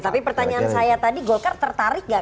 tapi pertanyaan saya tadi golkar tertarik gak